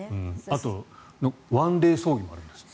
あとワンデー葬儀もあるんですって。